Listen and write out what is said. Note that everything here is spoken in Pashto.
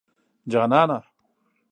جانانه